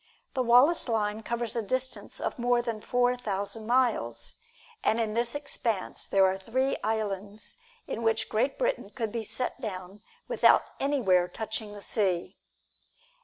The Wallace Line covers a distance of more than four thousand miles, and in this expanse there are three islands in which Great Britain could be set down without anywhere touching the sea.